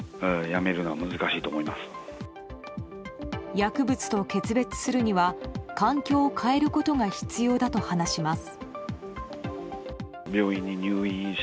薬物と決別するには、環境を変えることが必要だと話します。